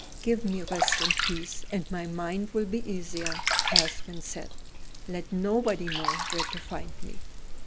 "Give me rest and peace, and my mind will be easier," Catherine said. "Let nobody know where to find me."